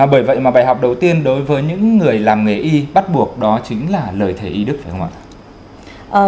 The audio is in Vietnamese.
bởi vậy mà bài học đầu tiên đối với những người làm nghề y bắt buộc đó chính là lời thầy y đức phải không ạ